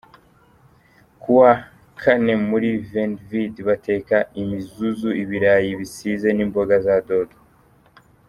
Ku wa Kane muri Veni Vidi bateka imizuzu, ibirayi bisize n’imboga za dodo;.